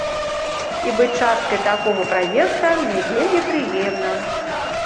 І быць часткай такога праекта мне вельмі прыемна.